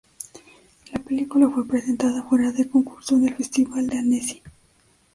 La película fue presentada, fuera de concurso, en el Festival de Annecy.